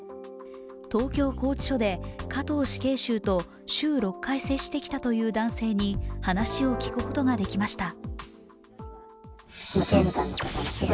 東京拘置所で加藤死刑囚と週６回接してきたという男性に話を聞くことができました。